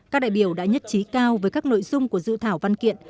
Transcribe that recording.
các đại biểu đã nhất trí cao với các nội dung của dự thảo văn kiện